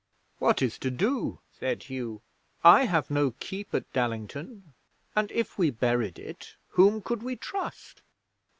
'"What is to do?" said Hugh. "I have no keep at Dallington; and if we buried it, whom could we trust?"